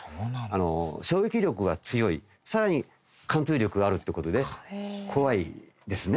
衝撃力が強いさらに貫通力があるって事で怖いですね。